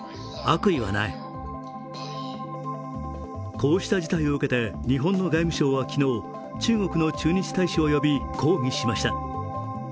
こうした事態を受けて、日本の外務省は昨日中国の駐日大使を呼び抗議しました。